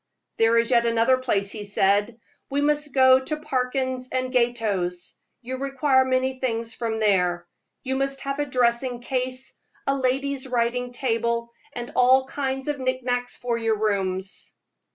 "There is yet another place," he said; "we must go to Parkins & Gotto's. You require many things from there. You must have a dressing case, a lady's writing table, and all kinds of knickknacks for your rooms."